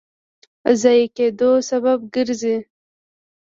ضایع کېدو سبب ګرځي.